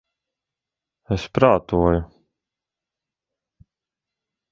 Es prātoju...